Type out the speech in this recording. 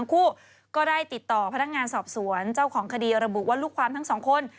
คู่ก็ได้ติดต่อพนักงานสอบสวนเจ้าของคดีระบุว่าลูกความทั้งสองคน